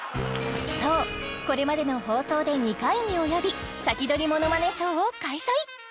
そうこれまでの放送で２回に及びサキドリものまねＳＨＯＷを開催